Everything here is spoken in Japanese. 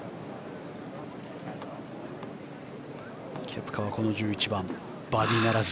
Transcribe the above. ケプカはこの１１番バーディーならず。